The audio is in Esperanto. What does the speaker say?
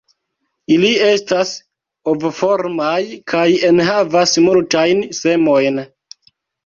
Ili estas ovoformaj kaj enhavas multajn semojn.